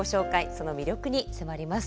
その魅力に迫ります。